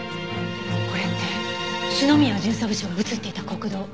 これって篠宮巡査部長が映っていた国道。